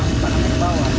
tangannya ke bawah